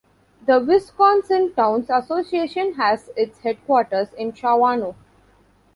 The Wisconsin Towns Association has its headquarters in Shawano.